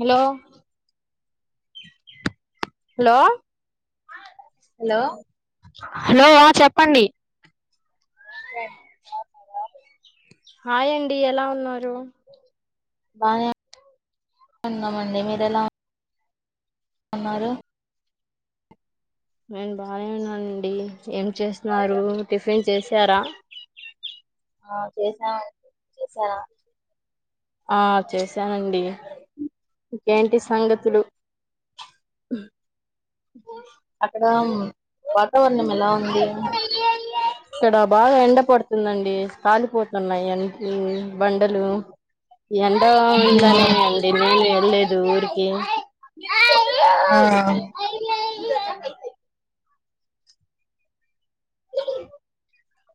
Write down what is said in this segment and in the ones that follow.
Hello hello hello hello చెప్పండి నమస్తే [unintelligible] హాయండి ఎలా ఉన్నారు బానే ఉన్నమండి మీరు ఎలా ఉన్నారు నేను బానే ఉన్నానండి ఏం చేస్తున్నారు టిఫిన్ చేశారా ఆ చేసాను చేసారా ఆ చేశానండి [unintelligible] ఇంకేంటి సంగతులు అక్కడ వాతావరణం ఎలా ఉంది ఇక్కడ బాగా ఎండ పడుతుందండి తాలిపోతున్నాయి అ బండలు ఎండ ఉహు. ఇలానే ఉంది నినే లేదు ఊరికి ఏమో అయ్ అయ్యో ఆ అయ్యయ్యో [unintelligible]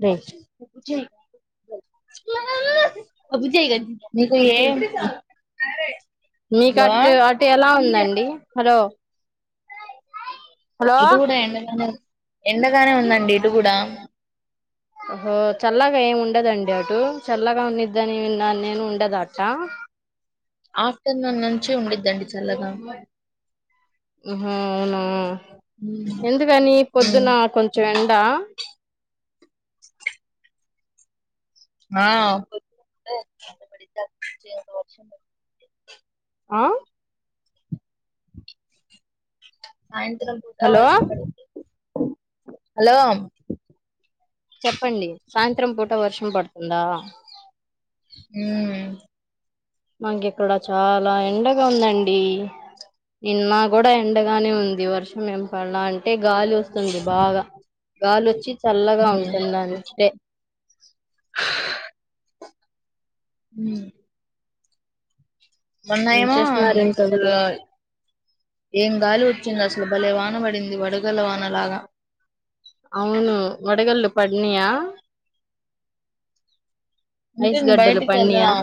పెంచ్ చెయ్ మామ మీకు ఏ మీకు హలో అటు అటు ఎలా ఉందండి హలో హలో ఇటు గూడా ఎండగానే ఉంది ఎండగానే ఉందండి ఇటు కూడా హో చల్లగా ఏమి ఉండదండి అటు చల్లగా ఉండిద్దని నేను ఉండదట ఆఫ్టర్నూన్ నుంచి ఉండిది దండి చల్లగా ఉహు అవునా ఉమ్. ఎందుకని ఉమ్. పొద్దున కొంచెం ఎండ డా [inaudible] ఆ సాయంత్రం పూట హలో వర్షం పడుద్ది హలో చెప్పండి సాయంత్రం పూట వర్షం పడుతుందా ఊ మాకి ఇక్కడ చాలా ఎండగా ఉందండి నిన్న కూడా ఎండగానే ఉంది వర్షం ఏం పడలా అంటే గాలి వస్తుంది బాగా గాలి వచ్చి చల్లగా ఉమ్. ఉంటుందంటే ఉ మొన్న ఏం ఏమో చేస్తున్నారు ఇంకా అసలు మీరు ఏం గాలి వచ్చింది అసలు భలే వాన పడింది వడగల్ల వానలాగా అవును వడగళ్ళు పడినియా అంటే ఐస్ నేను గడ్డలు బయటికి పడినయా వెళ్ళాం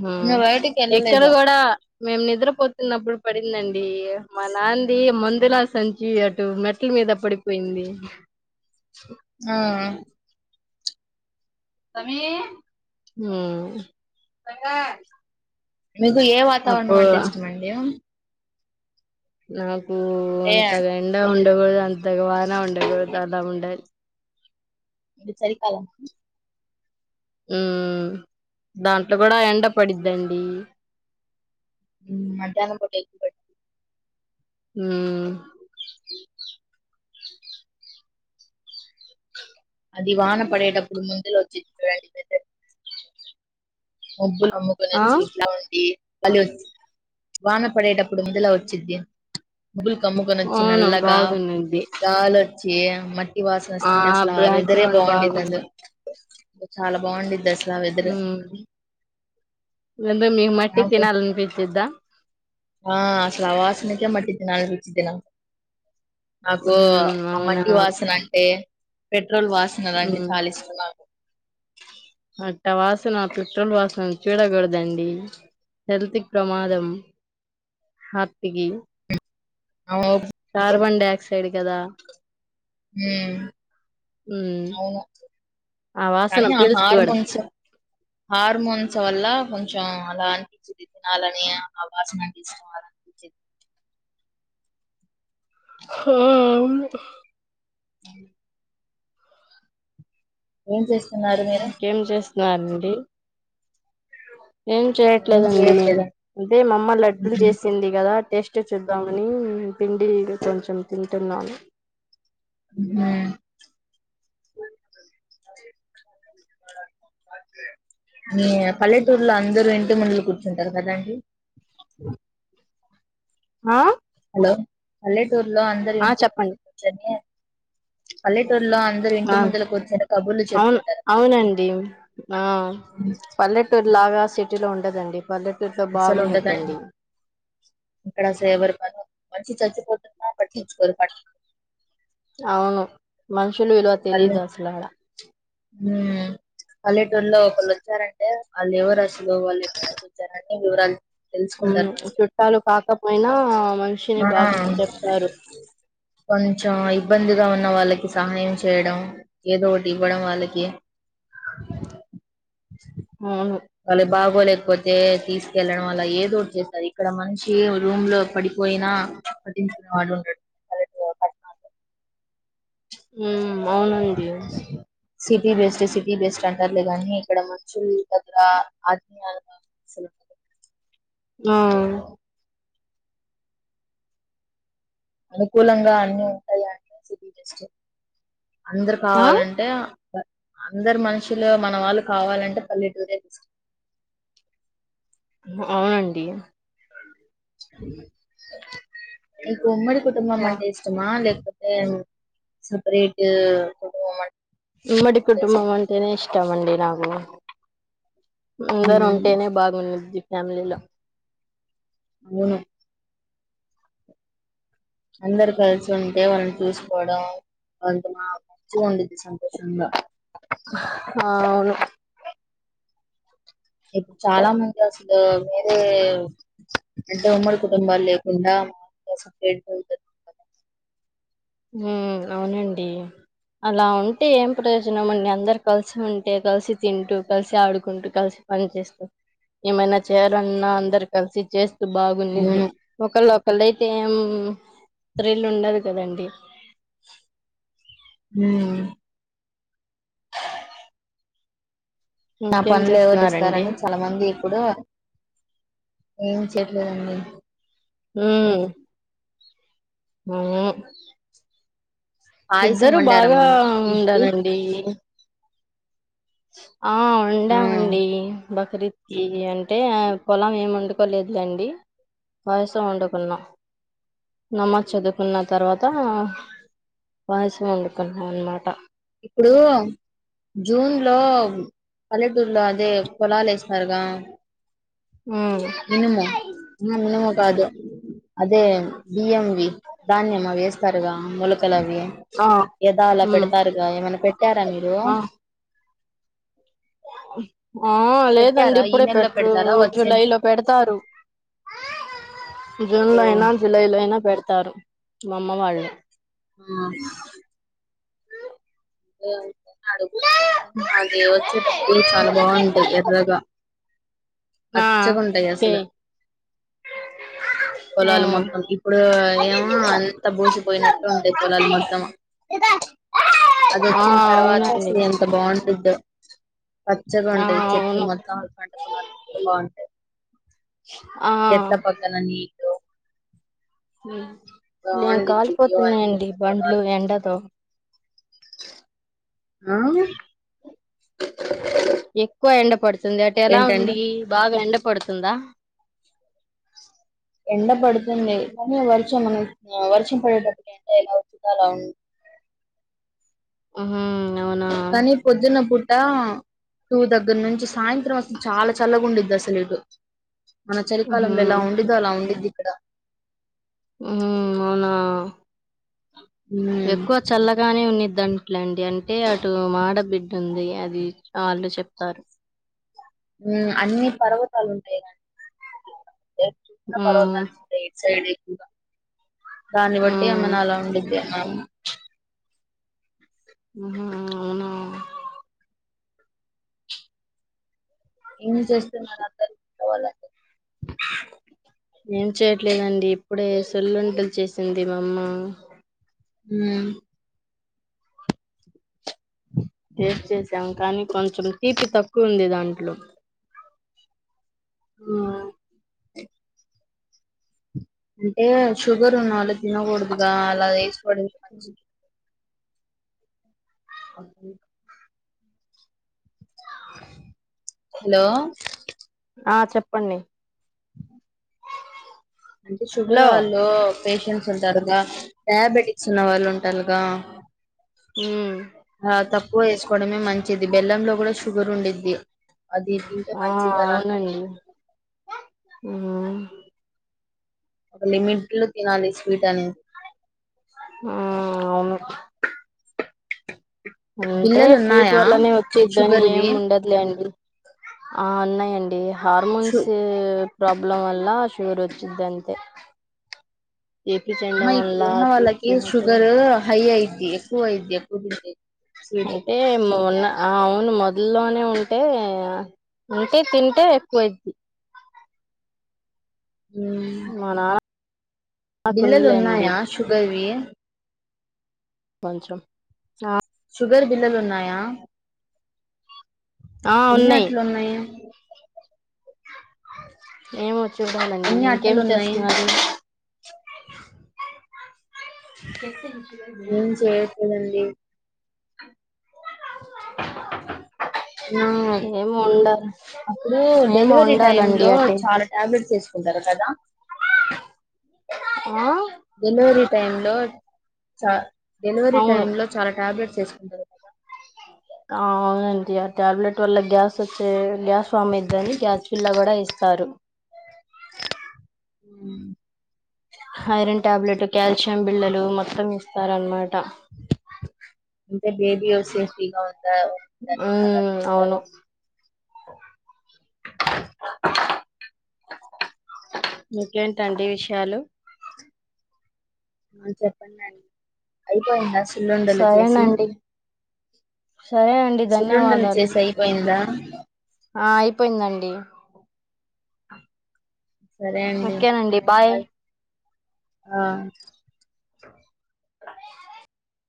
హు నిన్న బయటికి ఎక్కడ వెళ్ళలేదు కూడా మేము నిద్రపోతున్నప్పుడు పడిందండి మా నాన్నది మందులా సంచి అటు మెట్ల మీద పడిపోయింది ఆ రమి హ్యూ గంగా మీకు ఏ వాతావరణం అంటే ఇష్టమండి నా ఊ అంటే అంతగెండా ఉంటే ఉండ అంతగా వాన ఉండదు [unintelligible] ఇది చలి కాలం ఉ దాంట్లో కూడా ఎండ పడిద్దండి మధ్యానం పూట ఎగ్ పేడ్ హ్మ్ అది వన పడేటపుడు మందులా వచ్చిద్ది చూడు అండి వె ముగ్గులు అమ్ముకుని ఆ వచ్చి ఇట్లా ఉండి వాన పడేటప్పుడు మీదిలా వచ్చింద్ది ముగులు కమ్ముకొని వచ్చి అవును నల్గా బాగున్నది కాల చి మా ఈవాసన వస్తుంటే అసలు ఆ వెదరే బ్యాక్గ్రౌండ్ బాగుండిద్ది బాగుంది అసలు చాలా బాగుండిద్ది అసలు ఆ వెదర్ హ్మ్ ఇందు [unintelligible] మీ మట్టి నాకు తినలి అనిపించిదా ఆ అసలు ఆవాసనకే మట్ తినాలి అనిపించిద్ది నాకు నాకు ఉహు అ అవునా మట్టి వాసన అంటే పెట్ పెట్రోల్ వాసన అలాంటే ఉమ్ చాలా ఇష్ట నాకు నా పెట్రోల్ వాసన చూడకూడదండి హెల్త్ కి ప్రమాదం హార్ట్కి అవు చార్ బండే సైడ్ కదా హ్మ్ హ్మ్ అవును ఆ వాసన కానీ ఆ పీల్చకూడదు హార్మోన్స్ హార్మోన్స్ వల్ల కొంచెం అలా అనిపించేది తినాలని ఆ వాసన అందిష్టం అలా అనిపించిది ఆ అ ఏం చేస్ ఇంకేం చెస్ నాండి ఏం ఏం చేయట్లేదండి చేయట్లేదా అంటే మా అమ్మ లడ్డలు మ్హూ చేసింది కదా టేస్ట్ చూద్దామని పిండి కొంచెం తింటున్నాను హ్మ్ హు అే ని పల్లెటూర్ లో అందరు పటి మండలు కూర్చుంటారు కదాండి ఆ హలో హలో మత్తూరు లో అందరు ఆ ఇంటిూ మంది చెప్పండి కూర్చొని పల్లెటూరులో అందరుూ ఇంటి ఆ ముందుల కూర్చుని కబుర్లు అవును చెరుపుకుంటారు అవునండి ఆ పల్లెటూరు లాగా సిటీలో ఉండదండి పలటిట్లో అస్సలు ఉండదండి బాగునిద్దండి ఇక్కడ ఎవరి వంచి చచ్చిపో పట్టించుకో ప అవును మ షులు విలువా తెలిదు అసలుాల హ్మ్ పల రలో ఒకళ్ళు వచ్చారంటే అ లేవర హలో వాళ్లు చేశారా తెరా హ్మ్ చుట్టాలు కాకపోయినా మనిషిని ఆ బాగా చెప్తారు కొంచెం ఇబ్బందిగా ఉన్న వాళ్ళకి సహాయం చేయడం ఏదో ఒకటి ఇవ్వడం వాళ్ళకి అవును. వళ బాగుోలే లేకపోతే తీసుకెళ్ళడం వల్ ఏదోటి చేస్తారు ఇక్కడ మనిషి రూమ్ లో పడిపోయినా పట్టించుకునే వాడుు ఉంటడు అ పట్టనా ఉమ్ అవునంది సిటీ బెస్డ్ సిటీ బెస్ట్ అంటారులేగాని ఇక్కడ మంచులు దగ్గర ఆజరీయలు ఆ అనుకూలంగా అన్ని ఉంటాయి అంటే సిబీస్ అందరు ఆ! కావాలంటే అందరు మనుషులు మన వాళ్ళు కావాలంటే పల్లెటూరు బెస్ట్ అవునండి హ నకు ఉమ్మడి కుటుంబం అంటే ఇష్టమా లేకపోతే సపరేట్మంట కుటుంబం ఉమ్మడి కుటుబం ఇష్టమా అంతేనే ఇష్ ఇష్టమండి నాకు అందరు ఉమ్, ఉంటేనే బాగుండది ఫ్యామలీలో అవును అందరు కలిసి ఉంటే వాళ్ళని చూసుకోవడం వాంత మంచిగా ఉండద్ది సంతోషంగా ఆ అవును ఇప్పుడు చాలా మంది అసలు వేరే అంటే ఉమ్మడి కుటుంబాలు లేక గుండా [unintelligible] హ్మ్ అవునండి అలా ఉంటే ఏం ప్రయోజనం అండి అందరు కలిసి ఉంటే కలిసి తింటూ కలిసి ఆడుకుంటూ కలిసి పని చేస్తూ ఏమైనా చేయాలన్నా అందరు కలిసి చేస్త్, బాగున్నిద్ది అవును ఒకళ అళ అయితేం త్రిల్ ఉండదు కదండి హ్మ్ నా ఇంకేం పనులు ఏవోటి చేస్తున్నారండి ఇస్తారని చాలా మంది ఇప్పుడు ఏం చేయట్లేదండి హ్మ్ పాయసం ఇద్దరు వండారా బాగా మొన్న ఈద్ కి ఉండారండి ప్చ్ ఆ ఆ ఉండామండి బక్రీద్ కీ అంటే పొలం ఏం వండుకోలేదులేండి పాయసం వండుకున్నాం నమాజ్ చదువుకున్న తర్వాత పాయసం వండుకున్నాం అనమాట. ఇప్పుడు జూన్ లో పల్లెటూరులో అదే పొలాలు ఏస్తారుగా ఉమ్ ఇనిమో ఆ ఇనుమో కాదు అదే బియ్యం వి ధాన్యం అవేస్ తరగా మొలకలు అవి ఆ ఎదా అలా ఉమ్ పెడతారుగా ఏమన్నా పెట్టారా మీరు ఆ ఆ లేదండి పెట్టారా ఈ ఇప్పుడే నెలలో పెట్రూ పెడతారా వచ్చే జులై లో పెడ తరు జూన్ ఓ లో అయినా జులై లో అయ్ న పెడుతారు మా అమ్మ వాళ్ళు ఆ ఓ అడుగుంట కానీ అది వచ్చేడబ్బుడు చాలా బాగుంటయ్ ఎర్రగా ఆ పచ్చకుంటాయి ఏ అసలు ఆ పొలాలు మొత్తం ఇప్పుడు ఏమో అంత బోసి, పోయినట్ ఉంటయ్ పొలాలు మొత్తం ఆ అదొచ్చిన తర్వాత అవునండి అసలు ఎంత బాగుండిద్దో ఆ పచ్చగుంటాయ్ చెట్లు అవును మొత్తం ఆ కడుకు ల బాగుంటాయి ఆ ఎట్ల పక్కనని హ్మ్ నేమ్ బాగుండిద్ది వ్యూ అనేది కాలిపోతున్నాయండి పొలాలు బండ్లు ఎండతో ఆ ఎక్కువ ఎండ పడుతు సంద అట ఎలా ఉంది ఏంటండి బాగా ఎండ పడుతుందా ఎండ పడుతుంది కానీ వర్షం వర్షం పడేటప్పటిక ఎంట ఎలా వచ్చుందో అలా ఉ ఆహా కానీ పొద్దున్న పుర్తి అ టూ దగ్గర నుంచి సాయంత్రం అసలు చాలా చల్లగుండిద్ది అసలు ఇటు మన ఉహూ చలికాలంలో ఎలా ఉండిద్ది అలా ఉండిద్ది ఇక్కడ మ్మ్ అవునా ఉమ్ ఎక్కువ చల్లగానే ఉంది ఇంట్లండి అంటే అటు మాడ బిడ్డ ఉంది అది వాళ్ళే చెప్తారు మ్మ్ అన్ని పర్వతాలు ఉంటాయి కానీ దూసరా ఉమ్ పర్వతనిడ్ సైడ్ ఎక్కువగా దాన్ని బట్టి ఉమ్ ఏమైనా అలా ఉండిద్దెమో హ్మ్ అవునవును ఏమి చేస్తున్నారు అందరు ఇంట్లోవాళ్ళండి కావ్ ఏం చేయట్లేదండి ఇప్పుడే సెలుంట్లు చేసింది మా అమ్మ మ్మ్ టేస్ట్ చేసాం కానీ కొంచెం తీపి తక్కువవుంది దాంట్లో ఆ ఆ క్... క్ అంటే షుగారున్నల్లోకి తినకూడదుగా అలా వేసిపడేసింది మంచిది అగ్ గొ చ.. హు.. గ్ హలో ఆ చెప్పండి అంటే హలో షుగరోళ్లు పేషెంట్స్ ఉంటారుగా డయాబెటిక్స్ ఉన్న వాళ్ళుంటారుగా ఉమ్ ఆ తక్కువ వేసుకోవడమే మంచిది బెల్లంలో కూడ షుగర్ఉండిద్ది ఆ అవునండి మ్మ్ ఒక లిమిట్లో తినాలి స్వీట్ అనేది మ్మ్ అవును అంటే బిళ్ళలు స్వీట్ ఉన్నాయా వల్లనే వచ్చిద్దని షుగర్వి ఏముండదులే అండి ఆ ఉన్నాయండి షు హార్మోన్స్ ప్రాబ్లం వల్ల షుగర్ వచ్చిద్దంతే అమ్మ ఇప్పుడు ఉన్నవాళ్ళకి షుగర్ హై అయి ఏ ఎక్కువైద్ది అంటే మొన్న ఆ అవును మొ ఇల్లోనే ఉంటే ఉంటే తింటే ఎక్కువైద్ది మా నానా బిళ్ళలున్నాయా షుగర్వి హ్మ్ కొంచం ఆ షుగర్ బిళ్ళలు ఉన్నాయా ఆ ఎన్ని ఉన్నాయి ఆట్లున్నాయ్ ఏమో చూడాలండి ఎన్ని ఇంకేం అట్టలు ఉన్నాయి చేస్తున్నారు చెప్పు.. న్.. ఏం చేయట్లేదండి మన ఏమో ఉండాలి అప్పుడు ఏమో డెలివరీ టైమ్ ఉండాలండి లో అటే చాలా టాబ్లెట్స్ వేసు కుంటరు కదా ఆ డెలివరి టైం లో స డెలివరీ టైం అవును లో చాలా టాబ్లెట్ వేసు ంటరు కదా ఆ అవునండి ఆ టాబ్లెట్ వల్ల గ్యాస్ వచ్చే గ్యాస్ ఫామ్ అయిద్దని గ్యాస్ ఫిల్లా కూడా ఇస్తారు హ్మ్ ఐరన్ ట్యాబ్లెట్ కాల్షియం బిళ్లలు మొత్తం ఇస్త స్తార అనమాట అంతే బేబీ సేఫ్టీగా ఉ హ్మ్ అవును ఇంకేంటండి విషయాలు అ చెప్పండి అండి అయిపోయిందస చిల్లుండలు చేసి సరేనండి సరే అండి సుల్లుండలు ధన్యవాదాలు చేసి అయిపోయిందా ఆ అయిపోయిందండి సరే అండి ఓకేనండి బాయ్ ఆ